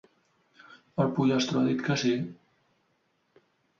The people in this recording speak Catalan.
El pollastró ha dit que sí.